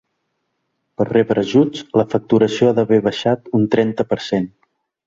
Per rebre ajuts, la facturació ha d’haver baixat un trenta per cent.